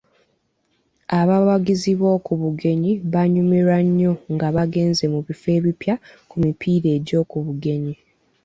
Abawagizi b'oku bugenyi banyumirwa nnyo nga bagenze mu bifo ebipya ku mipiira egy'oku bugenyi.